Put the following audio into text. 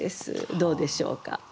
どうでしょうか？